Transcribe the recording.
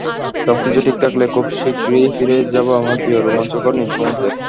সবকিছু ঠিক থাকলে খুব শিগগির ফিরে যাব আমার প্রিয়, রোমাঞ্চকর নীল সমুদ্রে।